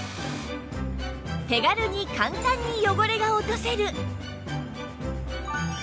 手軽に簡単に汚れが落とせる